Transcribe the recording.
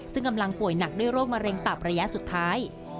ซึ่งกำลังป่วยหนักด้วยโรคมะเร็งตับระยะสุดท้าย